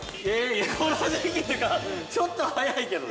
◆この時期っていうかちょっと早いけどね。